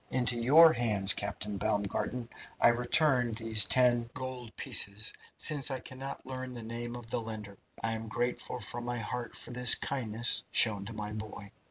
Into your hands, Captain Baumgarten, I return these ten gold pieces, since I cannot learn the name of the lender. I am grateful from my heart for this kindness shown to my boy.